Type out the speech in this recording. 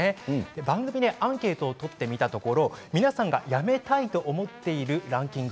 番組でアンケートを取ってみたところ皆さんがやめたいと思っているランキング